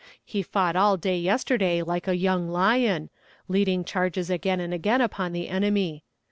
He fought all day yesterday like a young lion, leading charges again and again upon the enemy.